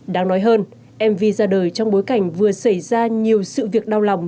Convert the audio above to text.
đáng nói hơn mv ra đời trong bối cảnh vừa xảy ra nhiều sự việc đau lòng